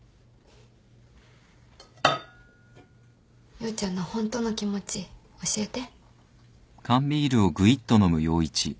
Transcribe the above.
陽ちゃんのホントの気持ち教えて。